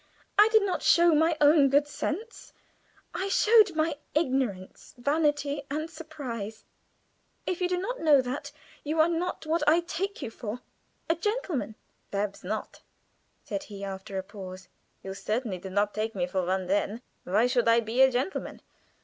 I did not show my own good sense. I showed my ignorance, vanity, and surprise. If you do not know that, you are not what I take you for a gentleman." "Perhaps not," said he, after a pause. "You certainly did not take me for one then. Why should I be a gentleman?